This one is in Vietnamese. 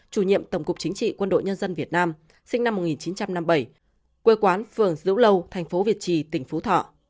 chủ nhiệm tổng cục chính trị quân đội nhân dân việt nam sinh năm một nghìn chín trăm năm mươi bảy quê quán phường dữ lâu thành phố việt trì tỉnh phú thọ